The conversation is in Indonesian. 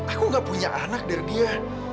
aku gak punya anak dari dia